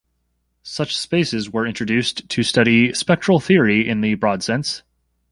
Such spaces were introduced to study spectral theory in the broad sense.